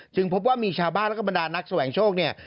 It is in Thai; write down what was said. จึงพบว่ามีชาวบ้านและบรรดานนักแสวงโชคนี่